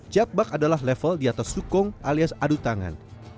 jakbak adalah level di atas sukong alias adu tangan